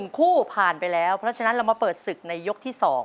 คู่ผ่านไปแล้วเพราะฉะนั้นเรามาเปิดศึกในยกที่๒